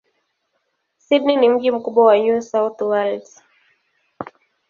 Sydney ni mji mkubwa wa New South Wales.